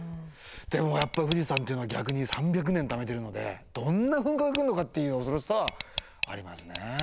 でもやっぱ富士山っていうのは逆に３００年ためてるのでどんな噴火が来るのかっていう恐ろしさはありますね。